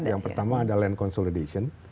yang pertama ada land consolidation